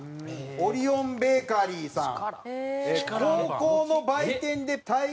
オリオンベーカリーさん。